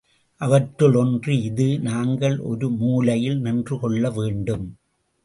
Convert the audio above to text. அவற்றுள் ஒன்று இது நாங்கள் ஒரு மூலையில் நின்று கொள்ள வேண்டும்.